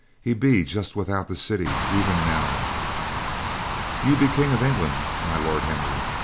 He be just without the city even now." "You be King of England, My Lord Henry.